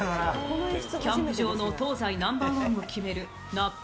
キャンプ場の当残ナンバーワンを決めるなっぷ